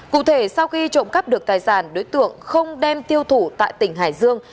cụ thể sau khi trộm cắp được tài sản đối tượng không đem tiêu thụ tại tỉnh hải dương